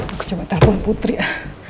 aku coba telepon putri ah